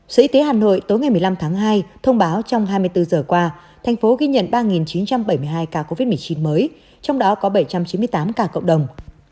sở y tế hà nội tối ngày một mươi năm tháng hai thông báo trong hai mươi bốn giờ qua thành phố ghi nhận ba chín trăm bảy mươi hai ca covid một mươi chín mới trong đó có bảy trăm chín mươi tám ca cộng đồng